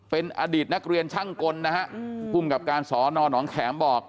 เป็นอดีตนักเรียนช่างกลนะฮะภูมิกับการสอนอนองแข็มบอก